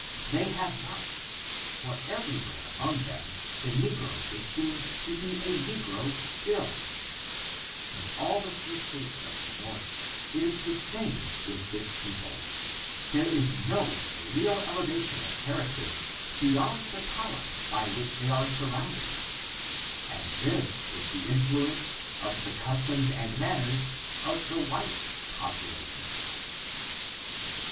They have not, for every where among them, the negro is seen to be a negro still. In all the free states of the North, it is the same with this people ; there is no leal elevation of character beyond the power by which ' ^0^r^0^f^r^r^^^^^'^^^»i^^^^ FORTUNES, OF THE NEGRO RACE. 373 they are surrounded, and this is the influence of the customs and manners of the white population.